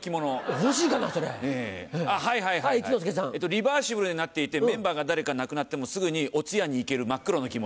リバーシブルになっていてメンバーが誰か亡くなってもすぐにお通夜に行ける真っ黒の着物。